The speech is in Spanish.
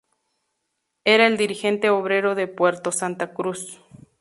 Era el dirigente obrero de Puerto Santa Cruz.